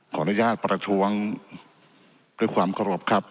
ขออนุญาตประท้วงในความขอรบครับ